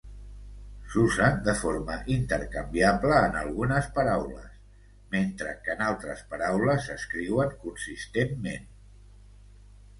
S'usen de forma intercanviable en algunes paraules, mentre que en altres paraules s'escriuen consistentment.